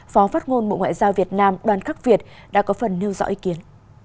phó phát ngôn bộ ngoại giao việt nam đoàn khắc việt đã có phần nêu dõi ý kiến